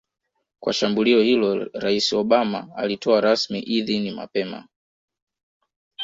kwa shambulio hilo Rais Obama alitoa rasmi idhini mapema